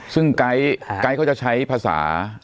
ซึ่งไกท์เขาจะใช้ภาษาอังกฤษ